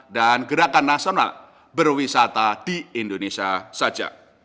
dan gerakan nasional berwisata di indonesia saja